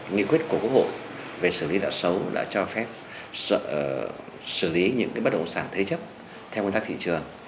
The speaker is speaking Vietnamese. nghị quyết của quốc hội về xử lý nợ xấu đã cho phép xử lý những bất động sản thế chấp theo nguyên tắc thị trường